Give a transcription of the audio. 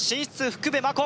福部真子